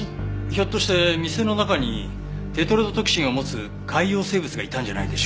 ひょっとして店の中にテトロドトキシンを持つ海洋生物がいたんじゃないでしょうか？